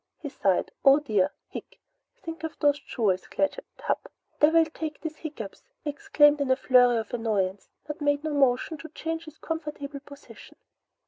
He sighed. "Oh dear! Hic! Think of those jewels, Claggett! Hup! Devil take these hiccups!" he exclaimed in a flurry of annoyance, but made no motion to change his comfortable position.